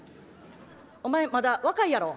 「お前まだ若いやろ。